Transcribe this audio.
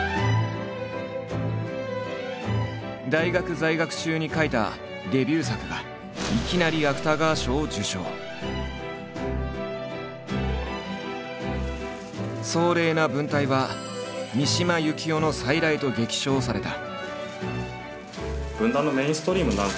大学在学中に書いたデビュー作がいきなり壮麗な文体は「三島由紀夫の再来」と激賞された。